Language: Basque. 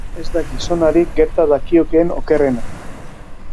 Heriotza ez da gizonari gerta dakiokeen okerrena.